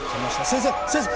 先生先生！